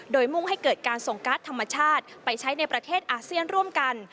โดยมุ่งให้เกิดการส่งการ์ดธรรมชาติไปใช้ในประเทศอาเซียนร่วมกัน